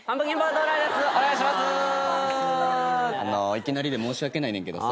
いきなりで申し訳ないねんけどさ。